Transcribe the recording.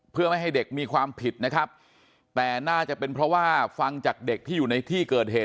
เพื่อไม่ให้เด็กมีความผิดนะครับแต่น่าจะเป็นเพราะว่าฟังจากเด็กที่อยู่ในที่เกิดเหตุ